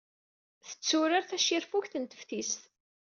Tetturar tacirfugt n teftist.